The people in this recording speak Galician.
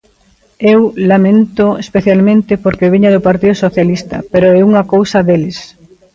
Eu laméntoo especialmente porque veña do Partido Socialista, pero é unha cousa deles.